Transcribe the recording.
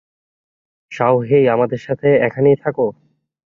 শাওহেই, আমাদের সাথে এখানেই থাকো?